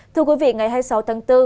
thưa quý vị ngày hai mươi sáu tháng bốn